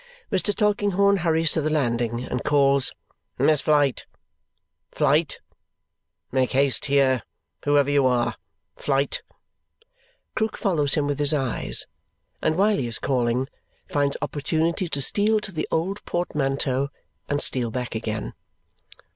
Mr. Tulkinghorn hurries to the landing and calls, "Miss Flite! Flite! Make haste, here, whoever you are! Flite!" Krook follows him with his eyes, and while he is calling, finds opportunity to steal to the old portmanteau and steal back again.